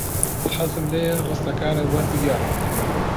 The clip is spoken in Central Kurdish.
حەزم لێیە ڕستەکانت وەربگێڕم.